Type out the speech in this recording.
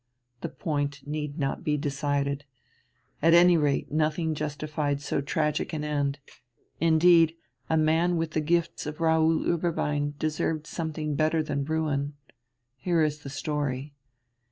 The point need not be decided. At any rate nothing justified so tragic an end; indeed, a man with the gifts of Raoul Ueberbein deserved something better than ruin.... Here is the story.